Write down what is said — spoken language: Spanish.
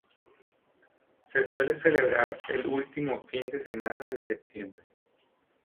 Se suele celebrar el último fin de semana de septiembre.